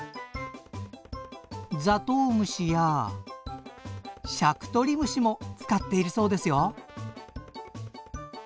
ザトウムシやしゃくとり虫も使っているそうですよ。